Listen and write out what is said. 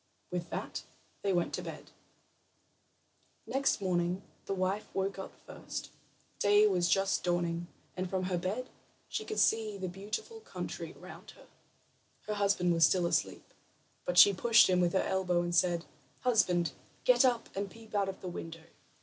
With that they went to bed. Next morning the wife woke up first; day was just dawning, and from her bed she could see the beautiful country around her. Her husband was still asleep, but she pushed him with her elbow, and said: "Husband, get up and peep out of the window.